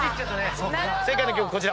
正解の曲こちら。